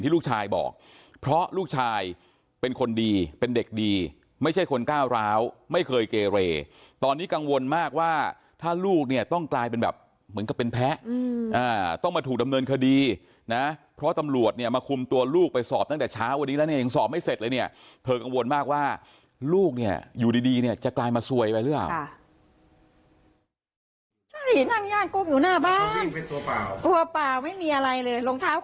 ลูกชายบอกเพราะลูกชายเป็นคนดีเป็นเด็กดีไม่ใช่คนก้าวร้าวไม่เคยเกเรตอนนี้กังวลมากว่าถ้าลูกเนี่ยต้องกลายเป็นแบบเหมือนกับเป็นแพ้ต้องมาถูกดำเนินคดีนะเพราะตำรวจเนี่ยมาคุมตัวลูกไปสอบตั้งแต่เช้าวันนี้แล้วเนี่ยเองสอบไม่เสร็จเลยเนี่ยเธอกังวลมากว่าลูกเนี่ยอยู่ดีเนี่ยจะกลายมาซวยไปหรือเปล่า